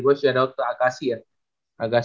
gue sudah ada akasi ya